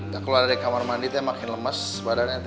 keluar dari kamar mandi makin lemes badannya